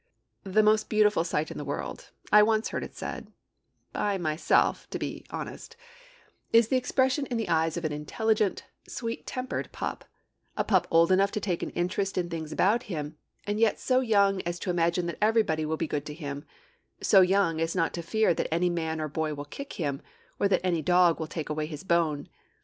The most beautiful sight in the world, I once heard it said (by myself, to be honest), is the expression in the eyes of an intelligent, sweet tempered pup a pup old enough to take an interest in things about him, and yet so young as to imagine that everybody will be good to him; so young as not to fear that any man or boy will kick him, or that any dog will take away his bone.